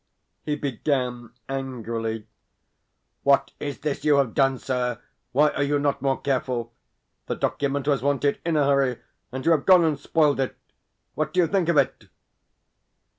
He began angrily: "What is this you have done, sir? Why are you not more careful? The document was wanted in a hurry, and you have gone and spoiled it. What do you think of it?"